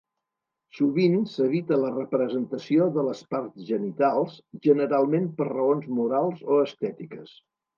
Sovint s'evita la representació de les parts genitals, generalment per raons morals o estètiques.